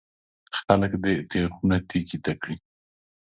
خلک دې تېغونه تېکې ته کړي.